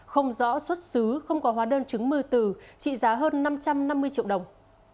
không rõ xuất xứ không có hóa đơn chứng mưa tử trị giá hơn năm trăm năm mươi triệu đồng